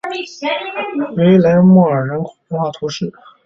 维莱莫尔人口变化图示